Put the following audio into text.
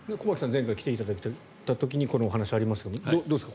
前回来ていただいた時にこのお話をやりましたがどうですか。